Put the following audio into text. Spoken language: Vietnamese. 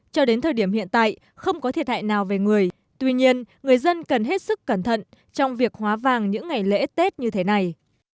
cho đến thời điểm hiện tại không có thiệt hại nào về người tuy nhiên người dân cần hết sức cẩn thận trong việc hóa vàng những ngày lễ tết như thế này